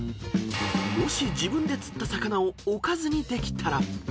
［もし自分で釣った魚をおかずにできたら］